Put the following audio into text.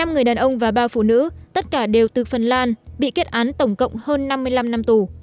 năm người đàn ông và ba phụ nữ tất cả đều từ phần lan bị kết án tổng cộng hơn năm mươi năm năm tù